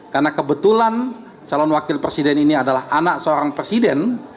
karena kebetulan calon wakil presiden ini adalah anak seorang presiden